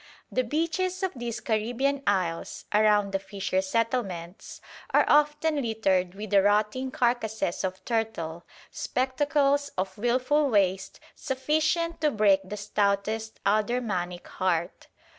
The beaches of these Caribbean isles, around the fisher settlements, are often littered with the rotting carcases of turtle, spectacles of wilful waste sufficient to break the stoutest aldermanic heart.